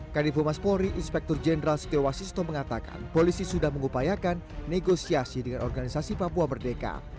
kadifu mas polri inspektur jenderal setiawasisto mengatakan polisi sudah mengupayakan negosiasi dengan organisasi papua merdeka